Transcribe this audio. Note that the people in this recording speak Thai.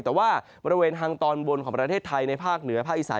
แต่ว่าบริเวณทางตอนบนของประเทศไทยในภาคเหนือภาคอีสาน